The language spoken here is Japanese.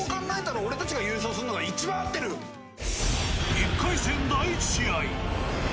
１回戦、第１試合。